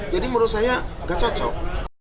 jadi menurut saya gak cocok